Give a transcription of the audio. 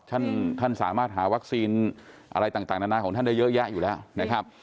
ท่านสามารถหาวัคซีนอะไรต่างนานาของท่านได้เยอะแยะอยู่แล้วนะครับ